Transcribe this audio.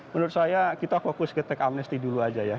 menurut saya kita fokus ke teks amnesty dulu aja ya